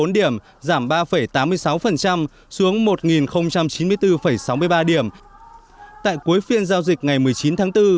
bốn điểm giảm ba tám mươi sáu xuống một chín mươi bốn sáu mươi ba điểm tại cuối phiên giao dịch ngày một mươi chín tháng bốn